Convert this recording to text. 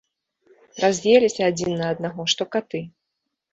Раз'еліся адзін на аднаго, што каты.